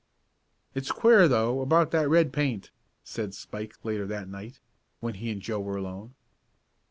"It's queer though, about that red paint," said Spike, later that night, when he and Joe were alone.